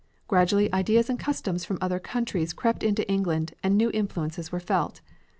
Gradually ideas and customs from other countries crept into England and new influences were felt.